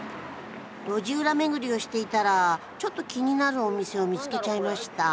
路地裏巡りをしていたらちょっと気になるお店を見つけちゃいました